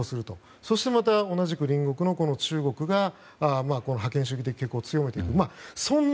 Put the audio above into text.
そしてまた同じく隣国の中国が覇権主義的傾向を強めている。